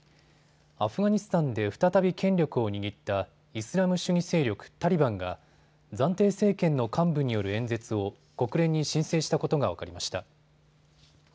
アフガニスタンで再び権力を握ったイスラム主義勢力タリバンが暫定政権の幹部による演説を国連に申請したことが分かりました。